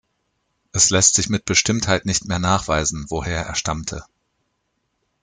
Es lässt sich mit Bestimmtheit nicht mehr nachweisen, woher er stammte.